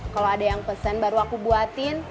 kalau ada yang pesan baru aku buatin